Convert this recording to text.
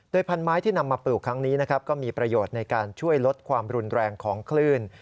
พันไม้ที่นำมาปลูกครั้งนี้นะครับก็มีประโยชน์ในการช่วยลดความรุนแรงของคลื่น